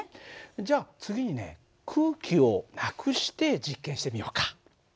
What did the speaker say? じゃ次にね空気をなくして実験してみようか。